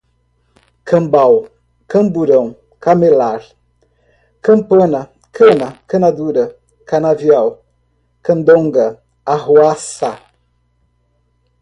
cambau, camburão, camelar, campana, cana, cana dura, canavial, candonga, arruaça